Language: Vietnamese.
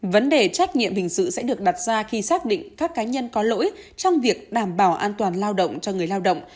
vấn đề trách nhiệm hình sự sẽ được đặt ra khi xác định các cá nhân có lỗi trong việc đảm bảo an toàn lao động cho người lao động